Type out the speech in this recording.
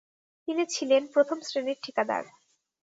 তিনি ছিলে প্রথম শ্রেণীর ঠিকাদার।